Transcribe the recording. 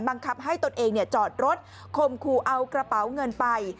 บังคับให้ตนเองจอดรถคมคู่เอากระเป๋าเงินไป